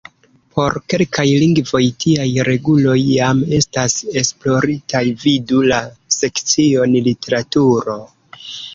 Por kelkaj lingvoj tiaj reguloj jam estas esploritaj, vidu la sekcion "literaturo".